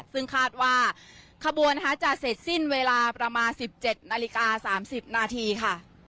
ซึ่งคาดว่าขบวนจะเสร็จสิ้นเวลาประมาณ๑๗นาฬิกา๓๐นาทีค่ะ